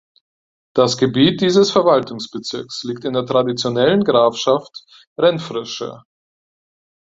Das Gebiet dieses Verwaltungsbezirks liegt in der traditionellen Grafschaft Renfrewshire.